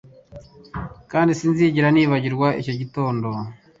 Kandi sinzigera nibagirwa icyo gitondo